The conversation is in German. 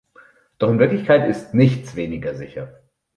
Doch in Wirklichkeit ist nichts weniger sicher.